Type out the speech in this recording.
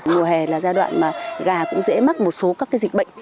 mùa hè là giai đoạn mà gà cũng dễ mắc một số các cái dịch bệnh